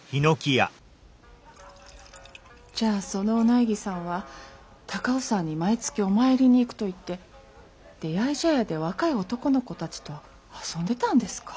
じゃあそのお内儀さんは高尾山に毎月お参りに行くと言って出合茶屋で若い男の子たちと遊んでたんですか。